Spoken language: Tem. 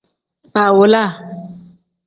Baawolaa.